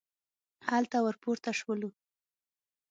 هلته ور پورته شولو.